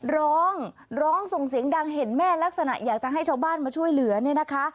ร้องร้องส่งเสียงดังเห็นแม่ลักษณะอยากจะให้ชาวบ้านมาช่วยเหลือเนี่ยนะคะ